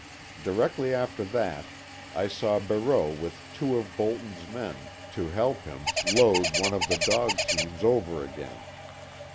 Directly after that I saw Barreau with two of Bolton's men to help him, load one of the dog teams over again.